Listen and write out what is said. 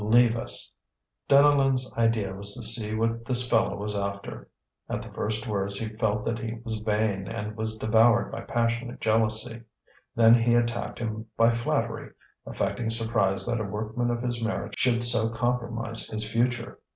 "Leave us." Deneulin's idea was to see what this fellow was after. At the first words he felt that he was vain, and was devoured by passionate jealousy. Then he attacked him by flattery, affecting surprise that a workman of his merit should so compromise his future.